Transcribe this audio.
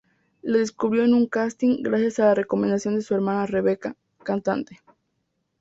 La descubrió en un casting gracias a la recomendación de su hermana Rebeca, cantante.